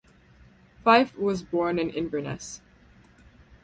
Fyffe was born in Inverness.